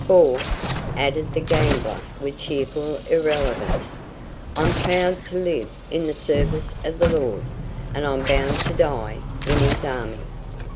For," added the gambler, with cheerful irrelevance, "'I'm proud to live in the service of the Lord, And I'm bound to die in His army.'"